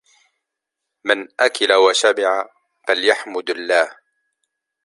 من أكل وشبع، فليحمد الله.